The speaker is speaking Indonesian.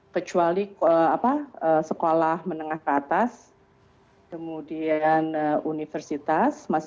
kecuali sekolah menengah ke atas kemudian universitas